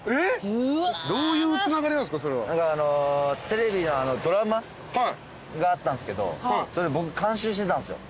テレビのドラマがあったんすけどそれ僕監修してたんすよ。